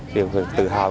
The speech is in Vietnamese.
được tự hào